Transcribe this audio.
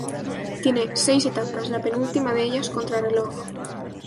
Tiene seis etapas, la penúltima de ellas contrarreloj.